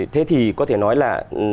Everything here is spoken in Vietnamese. thế thì có thể nói là